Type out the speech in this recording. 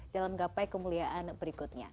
dalam gapai kemuliaan berikutnya